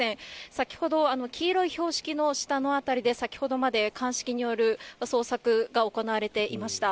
先ほど、黄色い標識の下の辺りで、先ほどまで鑑識による捜索が行われていました。